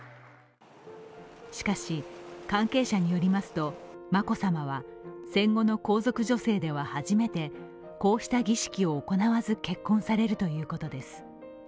しかし関係者によりますと眞子さまは戦後の皇族女性では初めてこうした儀式を行わず結婚されるということです。